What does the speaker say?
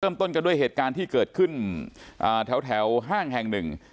ต้นกันด้วยเหตุการณ์ที่เกิดขึ้นแถวห้างแห่งหนึ่ง